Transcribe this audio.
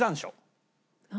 何？